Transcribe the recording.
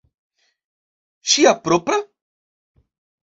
Ŝia propra?